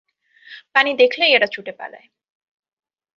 পানি দেখলেই এরা ছুটে পালায়।